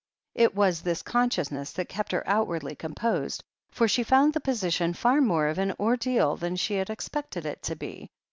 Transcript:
It was this consciousness that kept her outwardly composed, for she found the position far more of an ordeal than she had expected it to be.